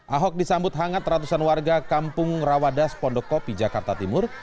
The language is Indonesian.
ahok disambut hangat ratusan warga kampung rawadas pondokopi jakarta timur